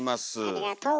ありがとう。